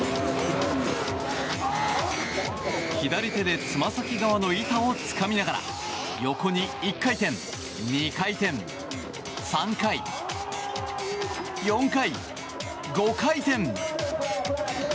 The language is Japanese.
左手でつま先側の板をつかみながら横に１回転、２回転、３回４回、５回転。